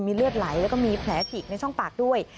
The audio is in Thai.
เลือดไหลแล้วก็มีแผลฉีกในช่องปากด้วย